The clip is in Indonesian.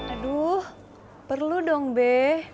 aduh perlu dong be